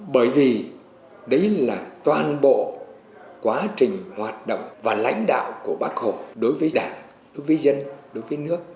bởi vì đấy là toàn bộ quá trình hoạt động và lãnh đạo của bác hồ đối với đảng đối với dân đối với nước